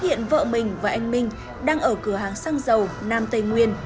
khi nhận vợ mình và anh minh đang ở cửa hàng xăng dầu nam tây nguyên